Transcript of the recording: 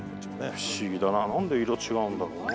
不思議だななんで色違うんだろうな。